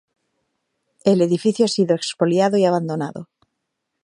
El edificio ha sido expoliado y abandonado.